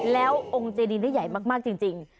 แล้วองค์เจดีได้ใหญ่มากจริง